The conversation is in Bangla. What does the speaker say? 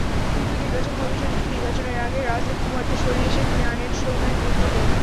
কিন্তু নির্বাচন কমিশন নির্বাচনের আগে রাজীব কুমারকে সরিয়ে সেখানে আনেন সৌমেন মিত্রকে।